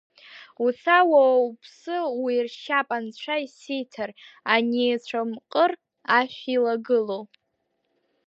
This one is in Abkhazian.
Уца, уа уԥсы уиршьап анцәа исиҭар, ани ацәамҟыр ашә илагылоу…